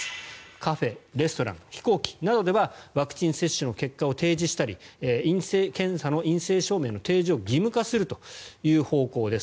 カフェ、レストラン飛行機などではワクチン接種の結果を提示したり検査の陰性証明の提示を義務化するという方向です。